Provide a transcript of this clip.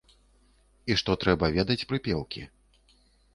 І што трэба ведаць прыпеўкі.